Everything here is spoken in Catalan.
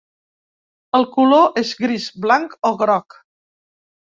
El color és gris, blanc o groc.